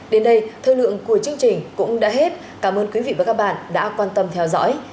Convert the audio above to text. đến đây thời lượng của chương trình cũng đã hết cảm ơn quý vị và các bạn đã quan tâm theo dõi